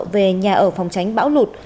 về nhà ở phòng tránh bão lụt